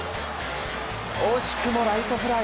惜しくもライトフライ。